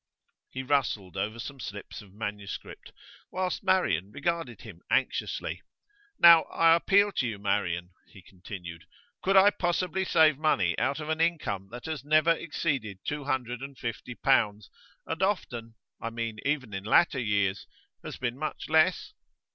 He rustled over some slips of manuscript, whilst Marian regarded him anxiously. 'Now, I appeal to you, Marian,' he continued: 'could I possibly save money out of an income that has never exceeded two hundred and fifty pounds, and often I mean even in latter years has been much less?